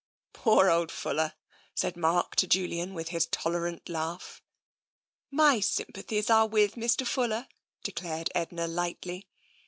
'* Poor old Fuller! " said Mark to Julian, with his tolerant laugh. " My sympathies are with Mr. Fuller," declared Edna lightly.